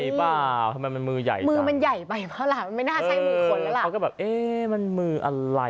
ทำไมมันมือใหญ่ไปเวลาไม่น่าใช่มือคนแล้วแบบเอมานมืออะไร